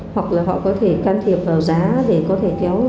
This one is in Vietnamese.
hoặc là họ có thể can thiệp vào giá để có thể kéo